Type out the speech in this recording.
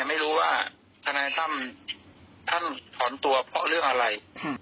ไม่รู้ว่าทนายตั้มท่านถอนตัวเพราะเรื่องอะไร